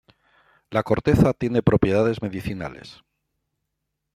La corteza tiene propiedades medicinales.